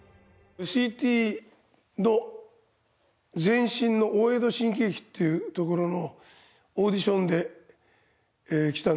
ＳＥＴの前身の大江戸新喜劇っていうところのオーディションで来たんですけれども。